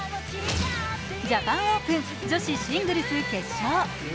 ジャパンオープン女子シングルス決勝。